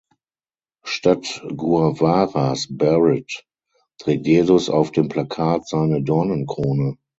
Statt Guevaras Barett trägt Jesus auf dem Plakat seine Dornenkrone.